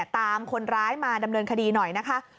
ตามคนร้ายมาดำเนินคดีหน่อยนะคะ